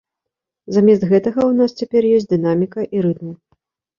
Замест гэтага ў нас цяпер ёсць дынаміка і рытм.